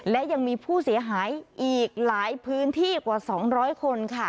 และยังมีผู้เสียหายอีกหลายพื้นที่กว่า๒๐๐คนค่ะ